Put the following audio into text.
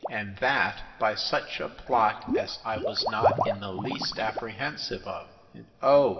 and that by such a plot as I was not in the least apprehensive of: And, oh!